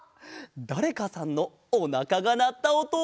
だれかさんのおなかがなったおと？